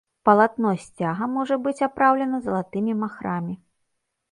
Палатно сцяга можа быць апраўлена залатымі махрамі.